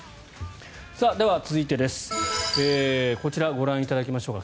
では、続いてこちらをご覧いただきましょうか。